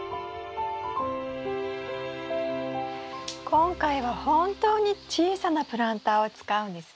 今回は本当に小さなプランターを使うんですね。